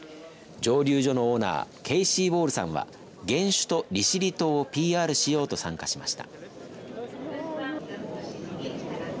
蒸留所のオーナーケイシー・ウォールさんは原酒と利尻島をＰＲしようと参加しました。